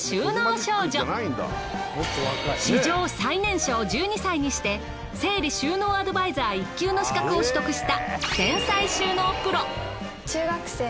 史上最年少１２歳にして整理収納アドバイザー１級の資格を取得した。